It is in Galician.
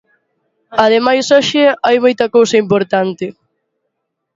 Ademais hoxe hai moita cousa importante.